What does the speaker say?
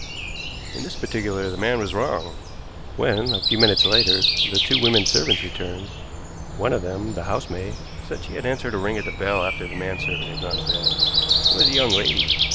In this particular the man was wrong. When, a few minutes later, the two women servants returned, one of them the housemaid said she had answered a ring at the bell after the man servant had gone to bed. It was a young lady.